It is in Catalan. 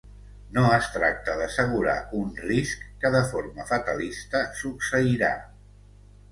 No es tracta d'assegurar un risc que de forma fatalista succeirà.